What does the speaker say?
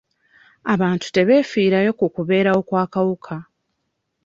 Abantu tebeefiirayo ku kubeerawo kw'akawuka.